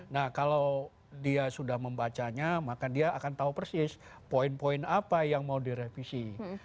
nah kalau dia sudah membacanya maka dia akan tahu persis poin poin apa yang mau direvisi